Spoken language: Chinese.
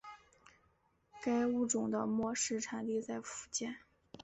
该物种的模式产地在福建。